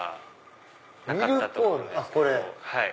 これ。